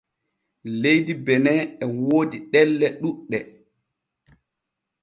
Leydi Bene e woodi ɗelle ɗuuɗɗe.